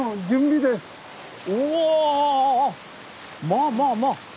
おおまあまあまあ。